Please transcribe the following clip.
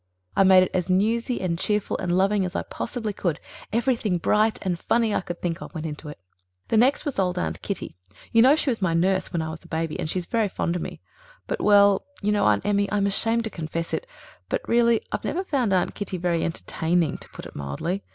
I made it as newsy and cheerful and loving as I possibly could. Everything bright and funny I could think of went into it. "The next was old Aunt Kitty. You know she was my nurse when I was a baby, and she's very fond of me. But, well, you know, Aunt Emmy, I'm ashamed to confess it, but really I've never found Aunt Kitty very entertaining, to put it mildly.